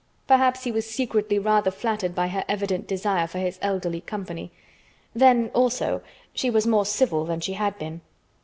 Perhaps he was secretly rather flattered by her evident desire for his elderly company. Then, also, she was more civil than she had been.